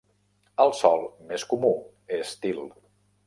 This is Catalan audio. El sòl més comú és til.